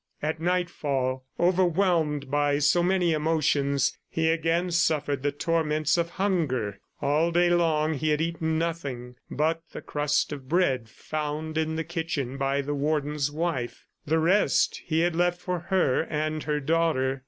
At nightfall, overwhelmed by so many emotions, he again suffered the torments of hunger. All day long he had eaten nothing but the crust of bread found in the kitchen by the Warden's wife. The rest he had left for her and her daughter.